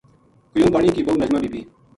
قیوم بانی کی بہو نجمہ بی بی